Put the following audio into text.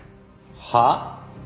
はあ？